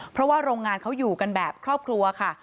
เพราะว่าโรงงานเขาอยู่กันแบบครอบครัวค่ะ